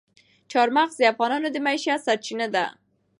چار مغز د افغانانو د معیشت سرچینه ده.